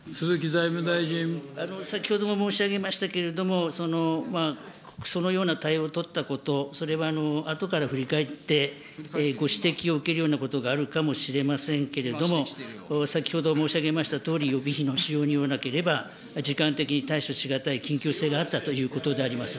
先ほども申し上げましたけれども、そのような対応を取ったこと、それはあとから振り返ってご指摘を受けるようなことがあるかもしれませんけれども、先ほど申し上げましたとおり、予備費の使用によらなければ時間的に対処し難い緊急性があったということであります。